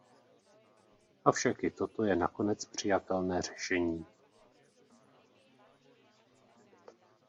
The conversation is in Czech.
Avšak i toto je nakonec přijatelné řešení.